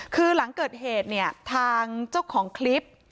คือหลังเกิดเหตุเนี่ยทางเจ้าของคลิป